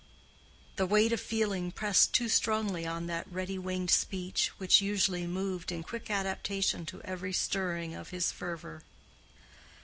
The weight of feeling pressed too strongly on that ready winged speech which usually moved in quick adaptation to every stirring of his fervor.